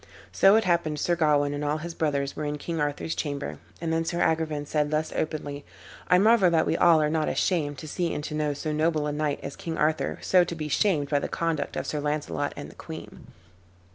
So it happened Sir Gawain and all his brothers were in King Arthur's chamber, and then Sir Agrivain said thus openly, "I marvel that we all are not ashamed to see and to know so noble a knight as King Arthur so to be shamed by the conduct of Sir Launcelot and the queen.